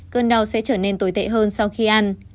cơn đau sẽ trở nên tồi tệ hơn sau khi ăn